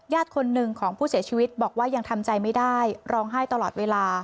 คนหนึ่งของผู้เสียชีวิตบอกว่ายังทำใจไม่ได้ร้องไห้ตลอดเวลา